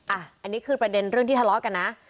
อันนี้คือประเด็นเรื่องที่ทะเลาะกันนะ